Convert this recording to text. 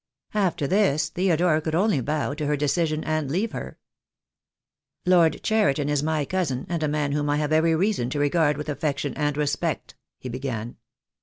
After this Theodore could only bow to her decision and leave her. "Lord Cheriton is my cousin, and a man whom I have every reason to regard with affection and respect," he began.